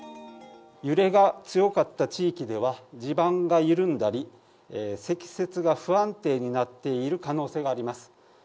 揺れが強かった地域では、地盤が緩んだり、積雪が不安定になっている可能性があります。